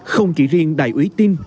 không chỉ riêng đại ủy tin